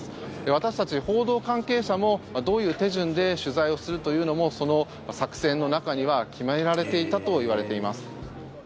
私たち報道関係者もどういう手順で取材をするというのもその作戦の中には決められていたといわれています。